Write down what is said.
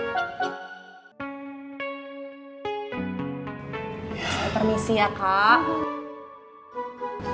saya permisi ya kak